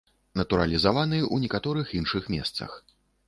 Натуралізаваны ў некаторых іншых месцах.